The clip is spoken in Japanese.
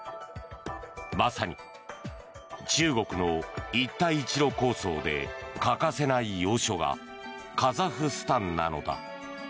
まさに中国の一帯一路構想で欠かせない要所がカザフスタンなのだ。